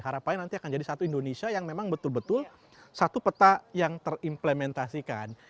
harapannya nanti akan jadi satu indonesia yang memang betul betul satu peta yang terimplementasikan